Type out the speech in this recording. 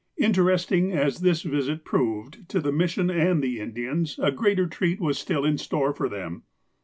Interesting as this visit proved to the mission and the Indians, a greater treat still was in store for them.